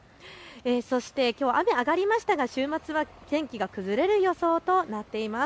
そしてきょう雨は上がりましたが週末は天気が崩れる予想となっています。